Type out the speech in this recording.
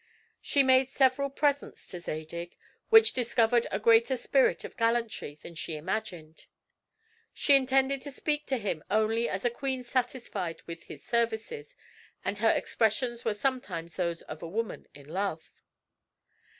She made several presents to Zadig, which discovered a greater spirit of gallantry than she imagined. She intended to speak to him only as a queen satisfied with his services and her expressions were sometimes those of a woman in love.